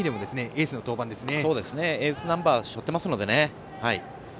エースナンバーしょってますのでね。